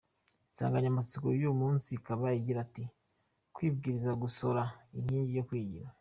Insanganyamatsiko y’uyu munsi ikaba igira iti “Kwibwiriza gusora, inkingi yo kwigira”.